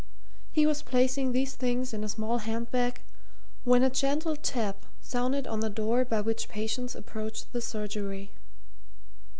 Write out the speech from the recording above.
He was placing these things in a small hand bag when a gentle tap sounded on the door by which patients approached the surgery.